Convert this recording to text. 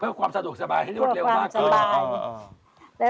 เพื่อความสะดวกสบายเพื่อความสะดวกสบาย